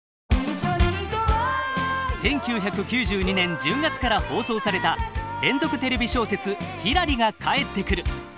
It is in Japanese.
１９９２年１０月から放送された連続テレビ小説「ひらり」が帰ってくる！